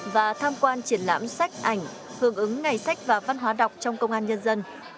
và tham quan triển lãm sách ảnh hưởng ứng ngày sách và văn hóa đọc trong công an nhân dân